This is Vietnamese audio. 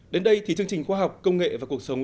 đến đây thì chương trình khoa học công nghệ và cuộc sống